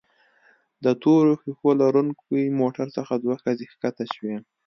د تورو ښيښو لرونکي موټر څخه دوه ښځې ښکته شوې.